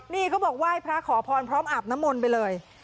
นี่เขาบอกไหว้พระขอพรพร้อมอาบน้ำมนต์ไปเลย